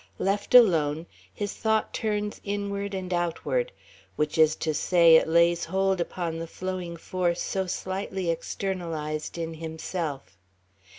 Left alone, his thought turns inward and outward which is to say, it lays hold upon the flowing force so slightly externalized in himself.